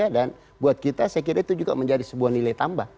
dan buat kita saya kira itu juga menjadi sebuah nilai tambah